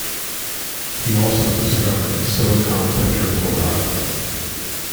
He also discovered silicon tetrafluoride.